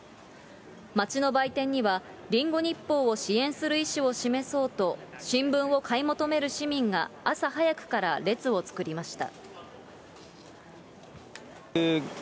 街の売店には、リンゴ日報を支援する意思を示そうと、新聞を買い求める市民が朝早くから列を作りました。